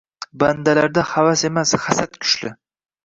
Bandalarda havas emas, hasad kuchli